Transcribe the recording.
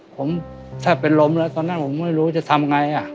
ผมแทบเป็นลมแล้วตอนนั้นผมไม่รู้จะทำไง